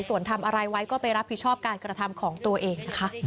ส่วนทำอะไรไว้ก็ไปรับผิดชอบการกระทำของตัวเองนะคะ